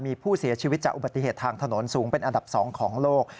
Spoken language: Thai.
มีผู้เสียชีวิตจากอุบัติเหตุทางถนนสูงเป็นอันดับ๒ของโลก